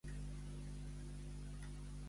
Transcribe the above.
Quins dies fa acte de presència la figura real?